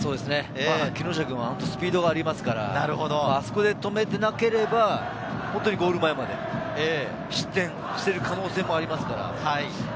木下君は本当にスピードがありますから、あそこで止めていなければ、ゴール前まで失点している可能性もあります。